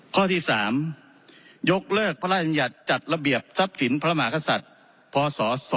ข้อที่๓ยกเลิกพระราชบัญญัติจัดระเบียบทรัพย์สินพระมหากษัตริย์พศ๒๕๖